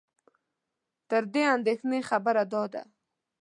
تر دې اندېښنې خبره دا ده